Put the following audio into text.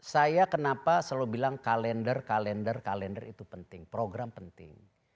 saya kenapa selalu bilang kalender kalender kalender itu penting program penting